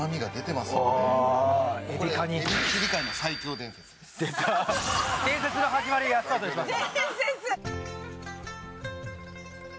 伝説の始まりがスタートしました。